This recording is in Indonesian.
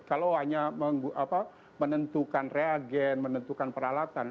kalau hanya menentukan reagen menentukan peralatan